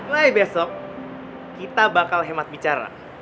mulai besok kita bakal hemat bicara